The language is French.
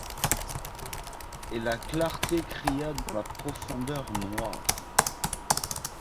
Et la clarté cria dans la profondeur noire